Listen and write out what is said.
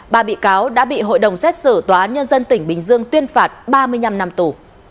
ba bị cáo đã bị hội đồng xét xử tòa án nhân dân tỉnh bình dương tuyên phạt ba mươi năm năm tù